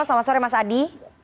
selamat sore mas adi